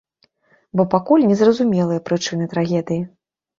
Бо пакуль не зразумелыя прычыны трагедыі.